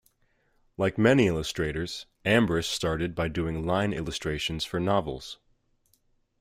Like many illustrators, Ambrus started by doing line illustrations for novels.